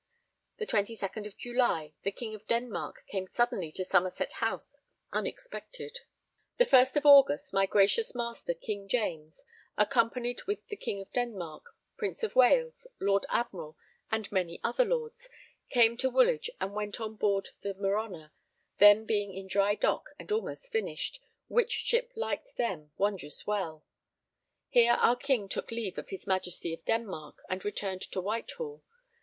The 22nd of July, the King of Denmark came suddenly to Somerset House unexpected. The first of August, my gracious master, King James, accompanied with the King of Denmark, Prince of Wales, Lord Admiral, and many other lords, came to Woolwich and went on board the Merhonor, then being in dry dock and almost finished, which ship liked them wondrous well: here our King took leave of his Majesty of Denmark and returned to Whitehall.